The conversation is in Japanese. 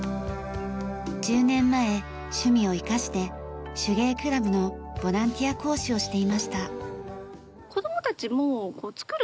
１０年前趣味を生かして手芸クラブのボランティア講師をしていました。